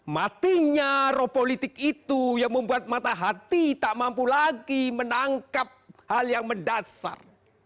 matinya roh politik itu yang membuat mata hati tak mampu lagi menangkap hal yang mendasar